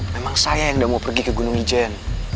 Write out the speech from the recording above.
memang saya yang tidak mau pergi ke gunung ijen